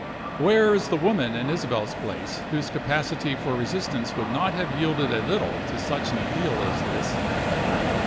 Where is the woman in Isabel's place whose capacity for resistance would not have yielded a little to such an appeal as this?